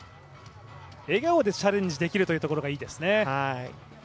笑顔でチャレンジできるところがいいですね。